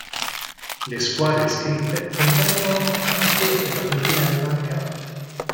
Le squadre iscritte competono anche per la Continental Cup.